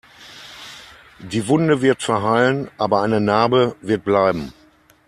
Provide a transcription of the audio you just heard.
Die Wunde wird verheilen, aber eine Narbe wird bleiben.